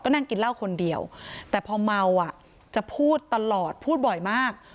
นั่งกินเหล้าคนเดียวแต่พอเมาอ่ะจะพูดตลอดพูดบ่อยมาก